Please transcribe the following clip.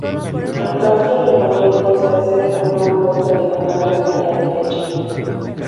Al claustro del convento se accede por una puerta de la nave lateral derecha.